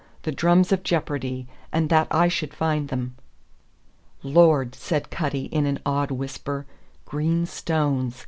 The drums of jeopardy; and that I should find them!" "Lord!" said Cutty, in an awed whisper. Green stones!